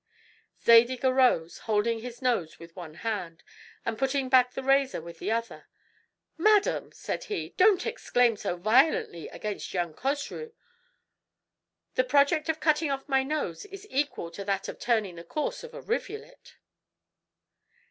Zadig arose, holding his nose with one hand, and, putting back the razor with the other, "Madam," said he, "don't exclaim so violently against young Cosrou; the project of cutting off my nose is equal to that of turning the course of a rivulet."